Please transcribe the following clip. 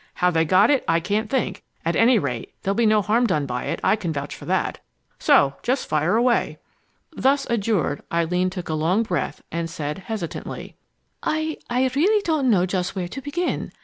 How they got it, I can't think. At any rate, there'll be no harm done by it, I can vouch for that. So just fire away!" Thus adjured, Eileen drew a long breath and said hesitantly: "I I really don't know just where to begin.